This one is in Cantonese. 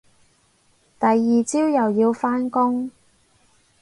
第二朝又要返工